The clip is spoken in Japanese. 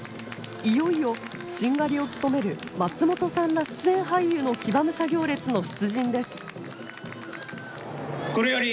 いよいよしんがりを務める松本さんら出演俳優の騎馬武者行列の出陣です。